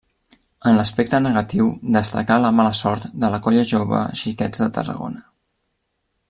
En l'aspecte negatiu destacà la mala sort de la Colla Jove Xiquets de Tarragona.